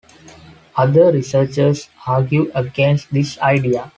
Other researchers argue against this idea.